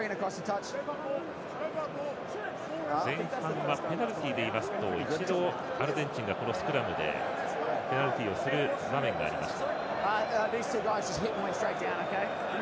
前半はペナルティでいいますと一度、アルゼンチンがスクラムでペナルティをする場面がありました。